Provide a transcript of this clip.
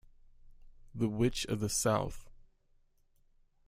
The Witch of the South.